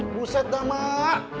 buset dah mak